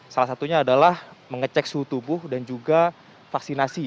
salah satunya adalah mengecek suhu tubuh dan juga vaksinasi